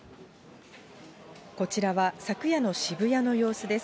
こちらは昨夜の渋谷の様子です。